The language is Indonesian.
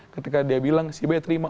ketika dia bilang si b terima